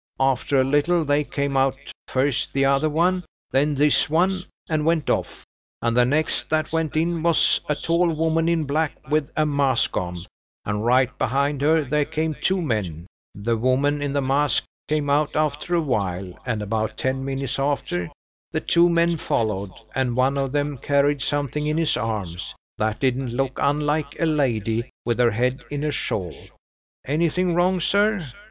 After a little, they came out, first the other one, then this one, and went off; and the next that went in was a tall woman in black, with a mask on, and right behind her there came two men; the woman in the mask came out after a while; and about ten minutes after, the two men followed, and one of them carried something in his arms, that didn't look unlike a lady with her head in a shawl. Anything wrong, sir?"